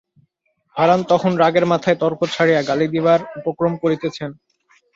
হারান তখন রাগের মাথায় তর্ক ছাড়িয়া গালি দিবার উপক্রম করিতেছেন।